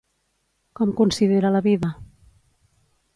Com considera la vida?